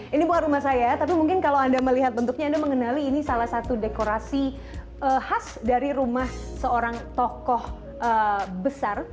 ini bukan rumah saya tapi mungkin kalau anda melihat bentuknya anda mengenali ini salah satu dekorasi khas dari rumah seorang tokoh besar